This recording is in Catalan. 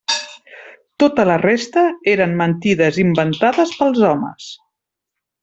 Tota la resta eren mentides inventades pels homes.